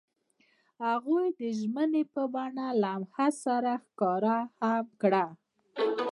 هغوی د ژمنې په بڼه لمحه سره ښکاره هم کړه.